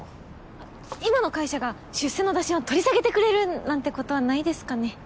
あっ今の会社が出世の打診を取り下げてくれるなんてことはないですかね？